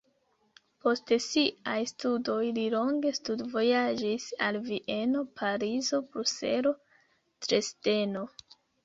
Post siaj studoj li longe studvojaĝis al Vieno, Parizo, Bruselo, Dresdeno.